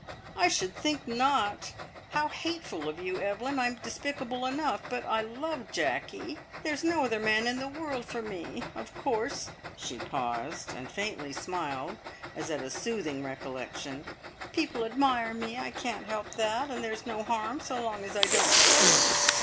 I should think not! How hateful of you, Evelyn! I'm despicable enough, but I love Jacky. There's no other man in the world for me. Of course," she paused, and faintly smiled, as at a soothing recollection, "people admire me. I can't help that, and there's no harm so long as I don't flirt.